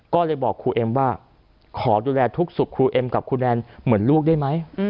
ก็เลยบอกครูเอ็มว่าขอดูแลทุกสุขครูเอ็มกับครูแนนเหมือนลูกได้ไหม